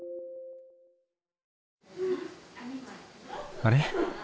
あれ？